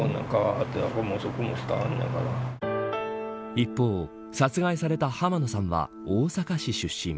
一方、殺害された濱野さんは大阪市出身。